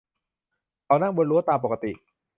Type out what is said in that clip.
เขานั่งบนรั้วตามปกติ